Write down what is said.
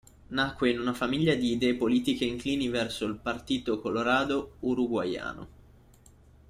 Nacque in una famiglia di idee politiche inclini verso il Partito Colorado uruguayano.